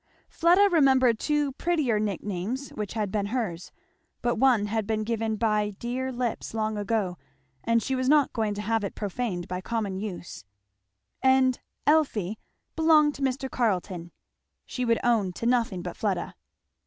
Fleda remembered two prettier nick names which had been hers; but one had been given by dear lips long ago, and she was not going to have it profaned by common use; and "Elfie" belonged to Mr. Carleton. She would own to nothing but Fleda.